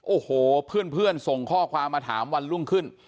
โอ้โหเพื่อนส่งข้อความมาถามวันรุ่งขึ้น